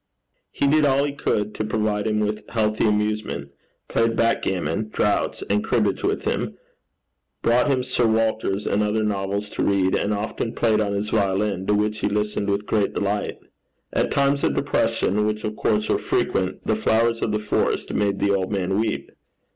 He did all he could to provide him with healthy amusement played backgammon, draughts, and cribbage with him, brought him Sir Walter's and other novels to read, and often played on his violin, to which he listened with great delight. At times of depression, which of course were frequent, the Flowers of the Forest made the old man weep.